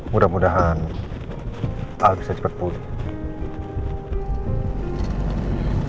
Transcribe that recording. mudah mudahan al bisa cepet pulih